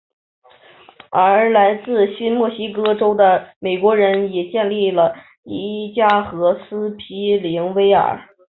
而来自新墨西哥州的美国人也建起了伊加和斯皮灵威尔。